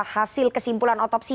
hasil kesimpulan otopsi